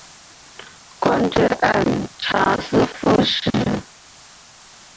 官至按察司副使。